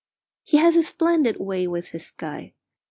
He has a splendid way with his sky.